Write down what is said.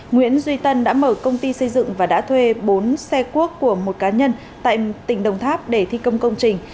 nguyễn duy tân đã mở công ty xây dựng và đã thuê bốn xe cuốc của một cá nhân tại tỉnh đồng tháp để thi công công trình